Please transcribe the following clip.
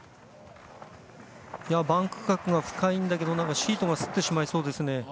バンク角が深いんだけどシートがすってしまいそうですね。